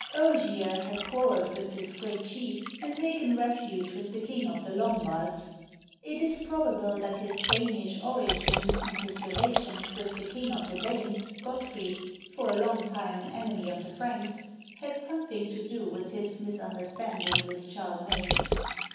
Ogier had quarreled with his great chief and taken refuge with the King of the Lombards. It is probable that his Danish origin and his relations with the King of the Danes, Gottfried, for a long time an enemy of the Franks, had something to do with his misunderstanding with Charlemagne.